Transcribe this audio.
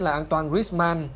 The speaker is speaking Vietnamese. là an toàn griezmann